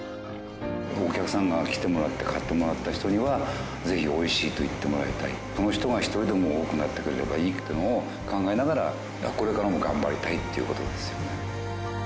お客さんが来てもらって買ってもらった人にはぜひおいしいと言ってもらいたい。っていうのを考えながらこれからも頑張りたいっていう事ですよね。